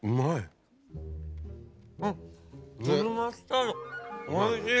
粒マスタードおいしい！